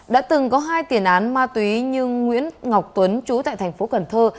đã từng có hai tiền án ma túy nhưng nguyễn ngọc tuấn chú tại thành phố cần thơ